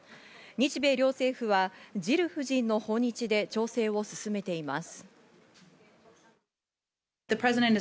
日米両政府はジル夫人の訪日で調整を進めています。